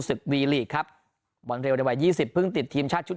สิบวีลีคครับวอเลวเดวายี่สิบเพิ่งติดทีมชาติชุด